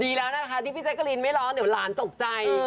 แล้วนะคะที่พี่แจ๊กกะลินไม่ร้อนเดี๋ยวหลานตกใจ